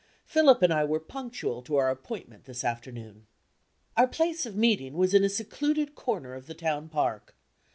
Philip and I were punctual to our appointment this afternoon. Our place of meeting was in a secluded corner of the town park.